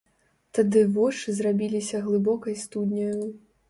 Тады вочы зрабіліся глыбокай студняю.